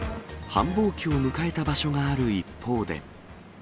繁忙期を迎えた場所がある一方で。